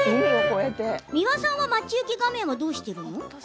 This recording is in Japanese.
美輪さんは待ち受け画面はどうしているの。